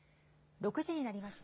６時になりました。